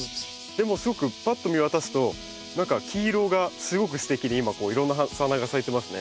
でもすごくぱっと見渡すと何か黄色がすごくステキに今いろんな花が咲いてますね。